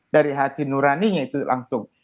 dari hati nurani nya itu langsung